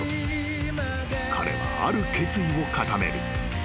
［彼はある決意を固める。